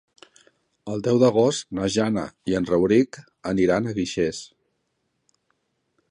El deu d'agost na Jana i en Rauric aniran a Guixers.